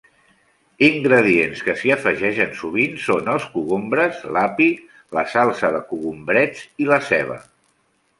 Ingredients que s'hi afegeixen sovint són els cogombres, l'api, la salsa de cogombrets i la ceba.